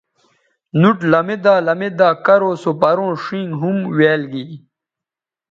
نُوٹ لمیدا لمیدا کرو سو پروں ݜینگ ھُمویال گی